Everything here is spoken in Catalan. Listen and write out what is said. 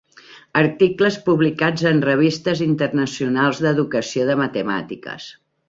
Articles publicats en revistes internacionals d'educació de matemàtiques.